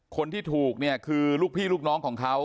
คนที่ถูกเนี่ยคือลูกพี่ลูกน้องของเขา